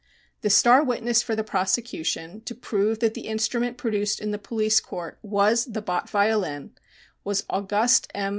The star witness for the prosecution to prove that the instrument produced in the police court was the Bott violin was August M.